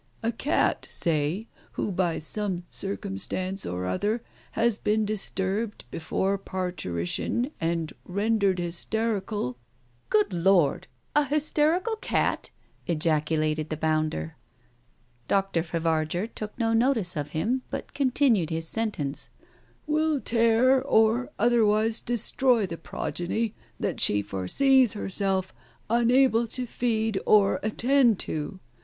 A cat, say, who by some circumstance or other has been dis turbed before parturition and rendered hysterical " "Good Lord, a hysterical cat " ejaculated the bounder. Dr. Favarger took no notice of him, but continued his sentence —— "will tear or otherwise destroy the progeny that she foresees herself unable to feed or attend to.